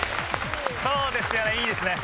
そうですよねいいですね。